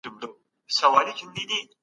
بدن د ډېر کار له امله درد کوي.